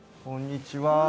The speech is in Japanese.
こんにちは。